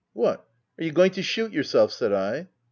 "'What, are you going to shoot yourself ?' said I.